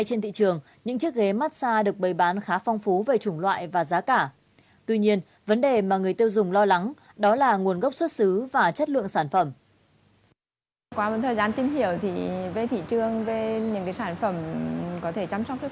trên thị trường những chiếc ghế massage được bày bán khá phong phú về chủng loại và giá cả tuy nhiên vấn đề mà người tiêu dùng lo lắng đó là nguồn gốc xuất xứ và chất lượng sản phẩm